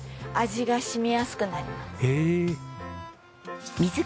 味が染みやすくなります。